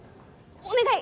お願い！